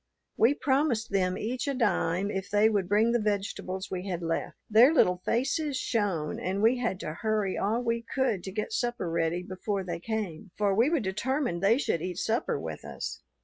We promised them each a dime if they would bring the vegetables we had left. Their little faces shone, and we had to hurry all we could to get supper ready before they came; for we were determined they should eat supper with us.